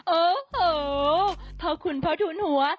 โอ้โหพ่อคุณพ่อทูลหัว